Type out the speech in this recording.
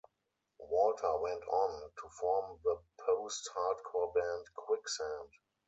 Walter went on to form the post-hardcore band Quicksand.